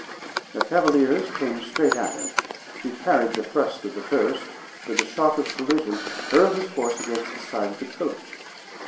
The cavaliers came straight at him. He parried the thrust of the first, but the shock of collision hurled his horse against the side of the coach.